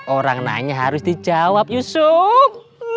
orang nanya harus dijawab yusuf